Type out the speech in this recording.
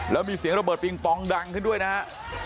แล้วมีเสียงระเบิดปิงปองดังขึ้นด้วยนะฮะ